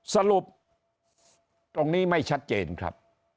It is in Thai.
สรุปตรงนี้ไม่ชัดเจนครับ